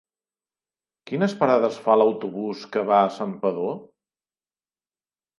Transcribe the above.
Quines parades fa l'autobús que va a Santpedor?